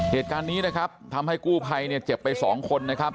เหตุการณ์นี้นะครับทำให้กู้ภัยเนี่ยเจ็บไปสองคนนะครับ